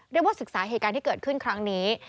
ว่าศึกษาเหตุการณ์ที่เกิดขึ้นครั้งนี้